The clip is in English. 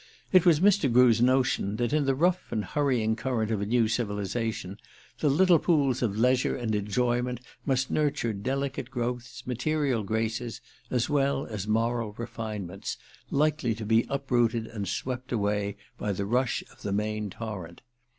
It was Mr. Grew's notion that, in the rough and hurrying current of a new civilization, the little pools of leisure and enjoyment must nurture delicate growths, material graces as well as moral refinements, likely to be uprooted and swept away by the rush of the main torrent.